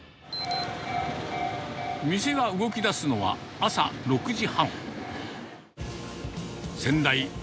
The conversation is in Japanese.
店が動きだすのは、朝６時半。